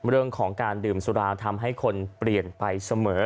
เรื่องของการดื่มสุราทำให้คนเปลี่ยนไปเสมอ